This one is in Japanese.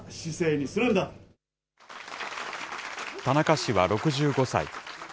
田中氏は６５歳。